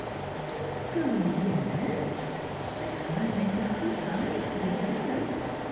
... Don't go 'yet: I got a nice apple pie for dessert.